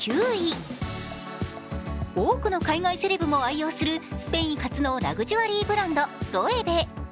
多くの海外セレブも愛用するスペイン発のラグジュアリーブランド、イエベ。